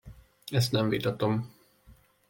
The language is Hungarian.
Ezt nem vitatom!